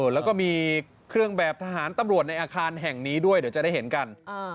แล้วก็มีเครื่องแบบทหารตำรวจในอาคารแห่งนี้ด้วยเดี๋ยวจะได้เห็นกัน